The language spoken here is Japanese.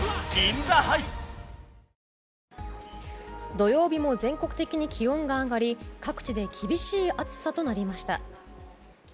土曜日も全国的に気温が上がり各地で厳しい暑さとなりました。